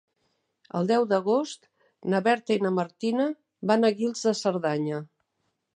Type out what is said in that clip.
El deu d'agost na Berta i na Martina van a Guils de Cerdanya.